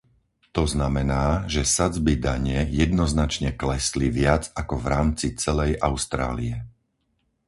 To znamená, že sadzby dane jednoznačne klesli viac ako v rámci celej Austrálie.